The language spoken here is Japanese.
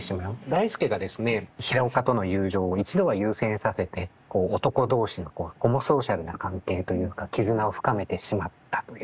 代助がですね平岡との友情を一度は優先させてこう男同士のホモソーシャルな関係というか絆を深めてしまったという。